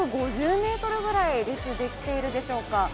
１５０ｍぐらい列ができているでしょうか。